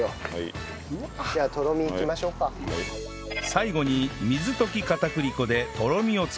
最後に水溶き片栗粉でとろみをつけたら